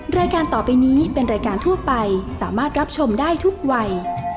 รายการต่อไปนี้เป็นรายการทั่วไปสามารถรับชมได้ทุกวัย